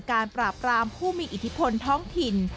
ปราบรามผู้มีอิทธิพลท้องถิ่น